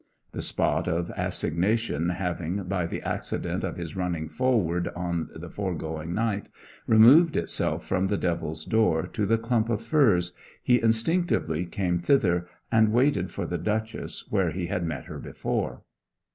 The spot of assignation having, by the accident of his running forward on the foregoing night, removed itself from the Devil's Door to the clump of furze, he instinctively came thither, and waited for the Duchess where he had met her before.